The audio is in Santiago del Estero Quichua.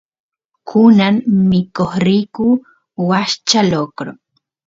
kunan mikoq riyku washcha lokro